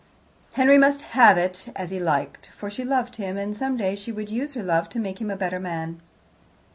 Henry must have it as he liked, for she loved him, and some day she would use her love to make him a better man.